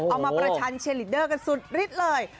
เอามาประชันเชลลีดเดอร์กันสุดฤทธิ์เลย